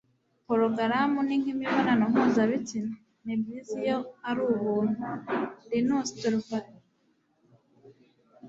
porogaramu ni nk'imibonano mpuzabitsina nibyiza iyo ari ubuntu - linus torvalds